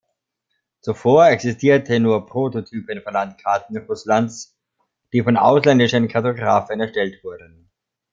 Zuvor existierten nur Prototypen von Landkarten Russlands, die von ausländischen Kartografen erstellt wurden.